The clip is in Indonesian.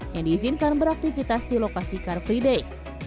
yang diizinkan beraktivitas di lokasi car free day